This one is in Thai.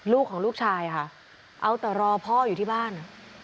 ของลูกชายค่ะเอาแต่รอพ่ออยู่ที่บ้าน